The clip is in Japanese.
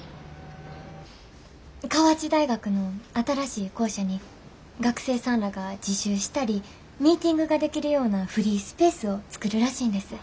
河内大学の新しい校舎に学生さんらが自習したりミーティングができるようなフリースペースを作るらしいんです。